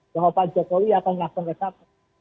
bahwa pak jokowi akan melakukan reshuffle